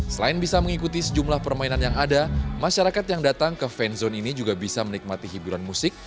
selain bisa mengikuti sejumlah permainan yang ada masyarakat yang datang ke fan zone ini juga bisa menikmati hiburan musik